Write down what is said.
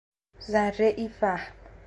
ذرهای فهم